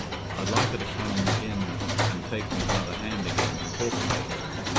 I'd like her to come in an' take me by th' hand again, an' talk to me.